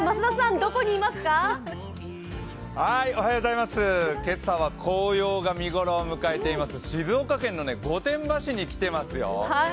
はーい、今朝は紅葉が見頃を迎えています、静岡県の御殿場市に来ていますよ。